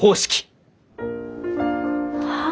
はあ？